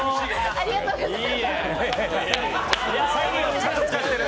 ありがとうございます。